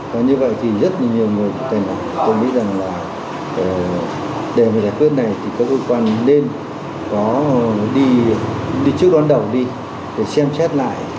và như vậy thì rất là nhiều người tôi nghĩ rằng là để phải giải quyết này thì các ưu quan nên có đi trước đón đầu là hoàn toàn